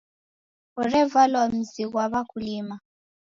Orevalwa mzi ghwa w'akulima.